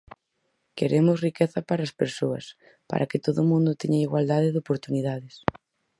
Queremos riqueza para as persoas, para que todo o mundo teña igualdade de oportunidades.